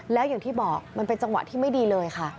แล้วอย่างที่บอกมันเป็นจังหวะที่ไม่ดีเลยค่ะ